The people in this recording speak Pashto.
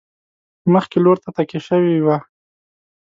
مخکې لور ته تکیه شوي وي.